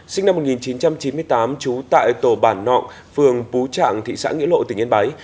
sinh năm một nghìn chín trăm chín mươi tám trú tại tổ bản nọng phường bú trạng thị xã nghĩa lộ tỉnh yên bái